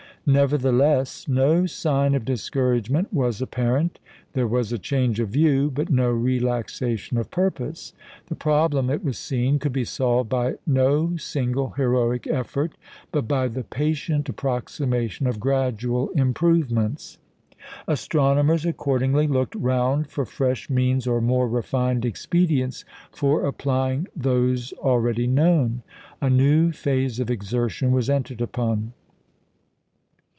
Nevertheless, no sign of discouragement was apparent. There was a change of view, but no relaxation of purpose. The problem, it was seen, could be solved by no single heroic effort, but by the patient approximation of gradual improvements. Astronomers, accordingly, looked round for fresh means or more refined expedients for applying those already known. A new phase of exertion was entered upon.